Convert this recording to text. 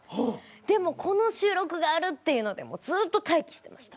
でもこの収録があるっていうのでずーっと待機してました。